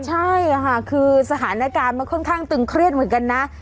ใช่ค่ะคือสถานการณ์มันค่อนข้างตึงเครียดเหมือนกันนะ